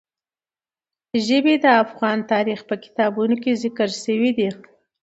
ژبې د افغان تاریخ په کتابونو کې ذکر شوی دي.